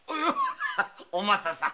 お政さん